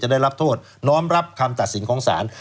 ได้รับโทษน้อมรับคำตัดสินของศาล